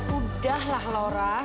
udah lah laura